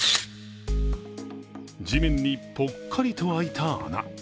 地面にぽっかりと空いた穴。